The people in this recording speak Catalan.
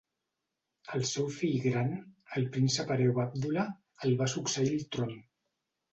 El seu fill gran, el príncep Hereu Abdullah, el va succeir al tron.